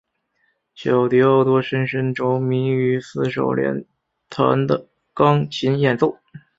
小狄奥多深深着迷于四手联弹的钢琴演奏。